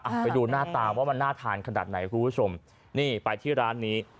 ไปดูหน้าตาว่ามันน่าทานขนาดไหนคุณผู้ชมนี่ไปที่ร้านนี้